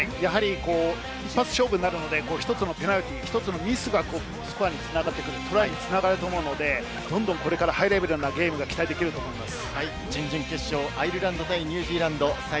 一発勝負になるので、１つのペナルティー、ミスがスコアに繋がってくる、トライに繋がるので、どんどんハイレベルなゲームが期待できると思います。